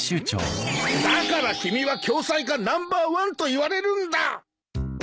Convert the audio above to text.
だから君は恐妻家ナンバーワンと言われるんだ。